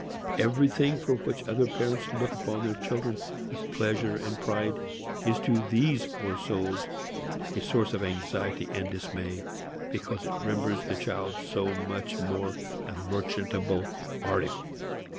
Everything for which other parents look on their children with pleasure and pride is to these poor souls a source of anxiety and dismay, because it renders the child so much more a merchantable article.